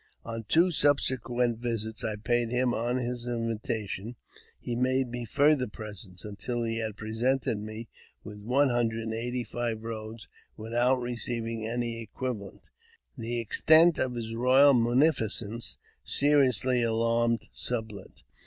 On two sub sequent visits I paid him on his invitation, he made me further presents, until he had presented me with one hundred and eighty five robes without receiving any equivalent. The extent of his " royal munificence " seriously alarmed Sublet.